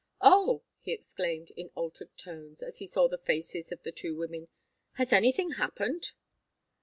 "Oh!" he exclaimed, in altered tones, as he saw the faces of the two women, "has anything happened?"